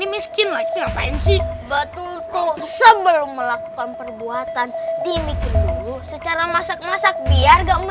miskin masih ngapain mt bentuk sebelum melakukan perbuatan di princeton secara masak masak biar